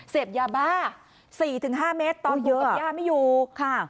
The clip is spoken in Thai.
เสพยาบ้าสี่ถึงห้าเมตรตอนปลูกกับยาไม่อยู่ค่ะ